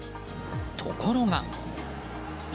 ところが。